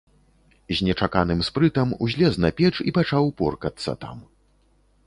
З нечаканым спрытам узлез на печ і пачаў поркацца там.